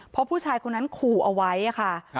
เพราะผู้ชายคนนั้นขู่เอาไว้ค่ะ